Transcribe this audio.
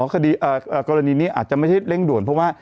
คดีกรณีนี้อาจจะไม่ใช่เร่งด่วนเพราะว่า